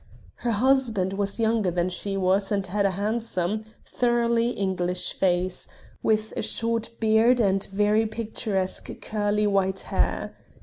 Her husband was younger than she was and had a handsome, thoroughly English face, with a short beard and very picturesque curly white hair.